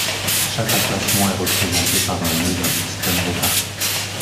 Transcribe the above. Chaque emplacement est représenté par un nœud d'un système réparti.